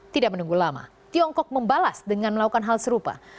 tidak menunggu lama tiongkok membalas dengan melakukan hal serupa